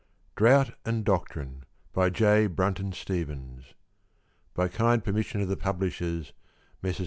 DROUGHT AND DOCTRINE. BY J. BRUNTON STEPHENS. (_By kind permission of the publishers, Messrs.